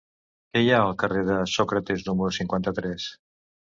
Què hi ha al carrer de Sòcrates número cinquanta-tres?